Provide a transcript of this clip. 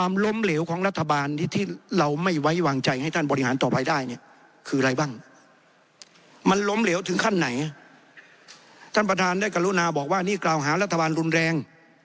มันล้มเหลวถึงขั้นไหนท่านประธานได้กับรุณาบอกว่านี่กล่าวหารัฐบาลรุนแรง